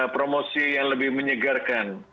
promosi yang lebih menyegarkan